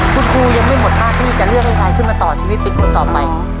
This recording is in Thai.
คุณครูยังไม่หมดมากที่จะเลือกให้ใครขึ้นมาต่อชีวิตปริกคุณต่อใหม่